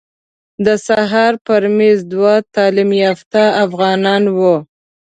د سهار په میز دوه تعلیم یافته افغانان وو.